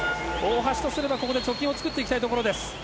大橋としてはここで貯金を作っていきたいところです。